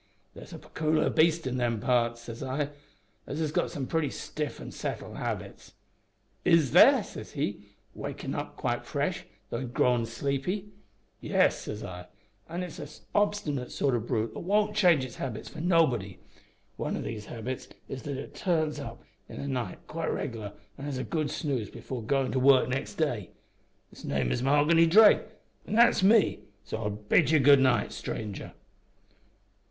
"`There's a pecooliar beast in them parts,' says I, `'as has got some pretty stiff an' settled habits.' "`Is there?' says he, wakin' up again quite fresh, though he had been growin' sleepy. "`Yes,' says I, `an' it's a obstinate sort o' brute that won't change its habits for nobody. One o' these habits is that it turns in of a night quite reg'lar an' has a good snooze before goin' to work next day. Its name is Mahoghany Drake, an' that's me, so I'll bid you good night, stranger.'